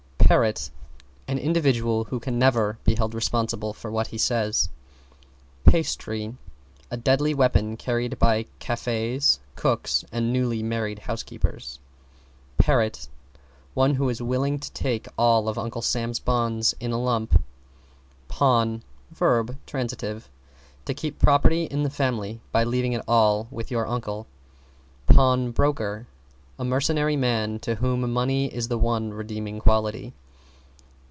=PARROT= An individual who can never be held responsible for what he says. =PASTRY= A deadly weapon carried by cafes, cooks and newly married housekeepers. =PATRIOT= One who is willing to take all of Uncle Sam's bonds in a lump. =PAWN= v. t., To keep property in the family by leaving it all with your Uncle. =PAWNBROKER= A mercenary man to whom money is the one redeeming quality.